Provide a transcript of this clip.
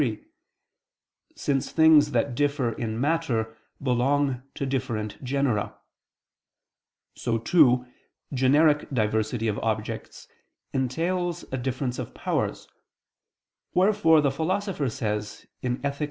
33 (since things that differ in matter belong to different genera): so, too, generic diversity of objects entails a difference of powers (wherefore the Philosopher says in _Ethic.